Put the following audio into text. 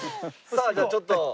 さあじゃあちょっと。